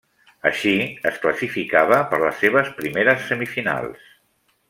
Així, es classificava per les seves primeres semifinals.